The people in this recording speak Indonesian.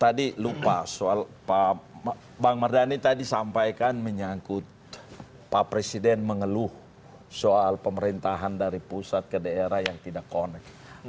tadi lupa soal bang mardhani tadi sampaikan menyangkut pak presiden mengeluh soal pemerintahan dari pusat ke daerah yang tidak connect